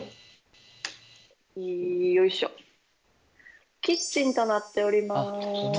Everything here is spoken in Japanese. よいしょキッチンとなっております。